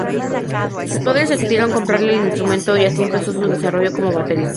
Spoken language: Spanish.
Sus padres decidieron comprarle el instrumento y así empezó su desarrollo como baterista.